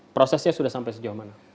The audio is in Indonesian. prosesnya sudah sampai sejauh mana